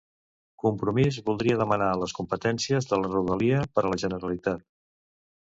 Compromís voldria demanar les competències de la Rodalia per a la Generalitat.